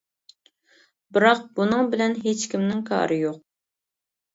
بىراق بۇنىڭ بىلەن ھېچكىمنىڭ كارى يوق.